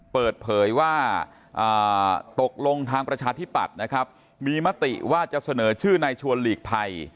เปิดเผยว่าตกลงทางประชาธิปัตย์นะครับมีมติว่าจะเสนอชื่อนายชวนหลีกภัย